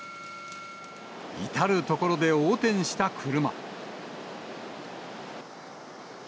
至る所で横転した車。